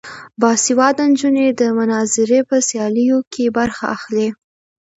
باسواده نجونې د مناظرې په سیالیو کې برخه اخلي.